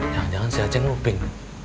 jangan jangan si aceh ngoping